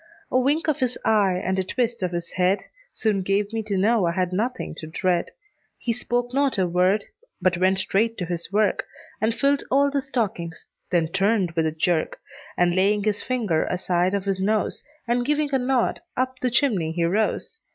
A wink of his eye, and a twist of his head, Soon gave me to know I had nothing to dread. He spoke not a word, but went straight to his work, And filled all the stockings; then turned with a jerk, And laying his finger aside of his nose, And giving a nod, up the chimney he rose.